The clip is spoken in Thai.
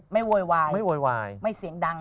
ไม่โวยวายไม่เสียงดัง